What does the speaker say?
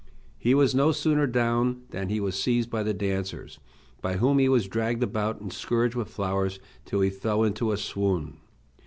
He was no sooner down than he was seized by the dancers, by whom he was dragged about and scourged with flowers till he fell into a swoon.